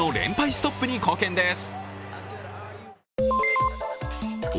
ストップに貢献です。